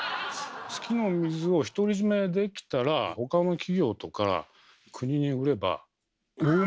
月の水を独り占めできたら他の企業とか国に売ればうわ！